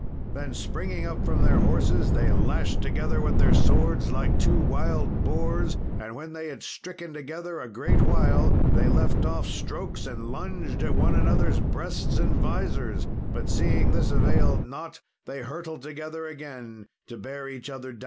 Then, springing up from their horses, they lashed together with their swords like two wild boars. And when they had stricken together a great while they left off strokes and lunged at one another's breasts and visors; but seeing this availed not they hurtled together again to bear each other down.